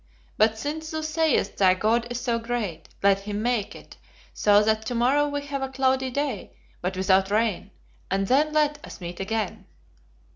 But since thou sayest thy God is so great, let him make it so that to morrow we have a cloudy day, but without rain, and then let us meet again.'